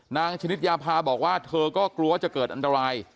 ชนิดยาพาบอกว่าเธอก็กลัวจะเกิดอันตราย